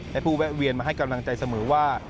และผู้แวะเวียนมาให้กำลังใจเสมอว่า